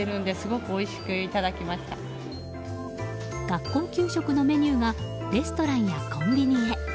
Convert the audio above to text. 学校給食のメニューがレストランやコンビニへ。